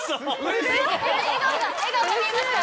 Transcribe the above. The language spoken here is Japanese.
笑顔が笑顔が見えました。